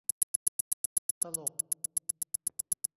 ตลก !